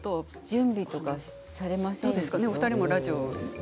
準備とかはしますか？